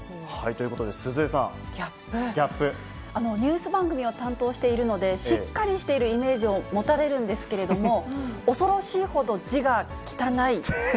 ニュース番組を担当しているので、しっかりしているイメージを持たれるんですけれども、恐ろしいほど字が汚い。